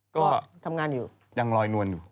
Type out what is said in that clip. ก็ยังลอยนวลอยู่